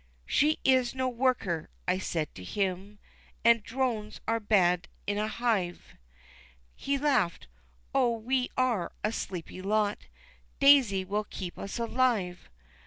"She is no worker," I said to him, "An' drones are bad in a hive," He laughed, "Oh we are a sleepy lot, Daisy will keep us alive!"